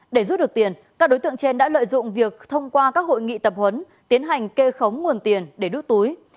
để rút được tiền các đối tượng trên đã lợi dụng việc thông qua các hội nghị tập huấn tiến hành kê khống nguồn tiền để đút túi